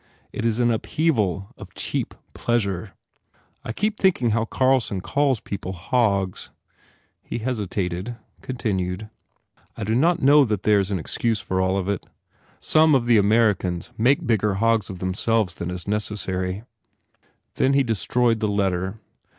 It is an upheaval of cheap pleasure. I keep thinking how Carlson calls people hogs." He hesitated, continued: "I do not know that there is an excuse for all of it. Some of the Americans make bigger hogs of themselves than is neces sary." Then he destroyed the letter.